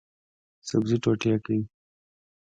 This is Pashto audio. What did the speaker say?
سبزي ټوټې کړئ